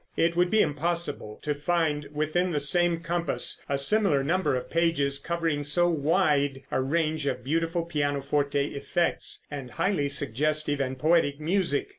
It would be impossible to find within the same compass a similar number of pages covering so wide a range of beautiful pianoforte effects, and highly suggestive and poetic music.